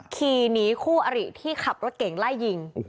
ขี่หนีคู่อริที่ขับรถเก่งไล่ยิง